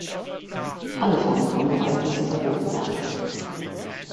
Alle Formen von Gewalt müssen verboten werden.